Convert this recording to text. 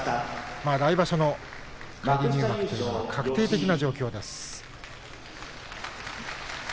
来場所の返り入幕というのは確定的な状況です。